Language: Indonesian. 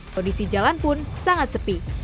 kondisi jalan pun sangat sepi